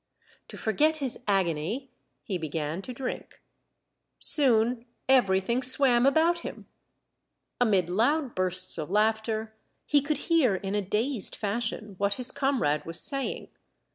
To forget his agony, he began to drink. Soon everything swam about him. Amid loud bursts of laughter, he could hear in a dazed fashion what his comrade was saying.